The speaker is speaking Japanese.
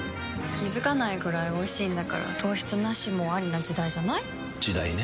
気付かないくらいおいしいんだから糖質ナシもアリな時代じゃない？時代ね。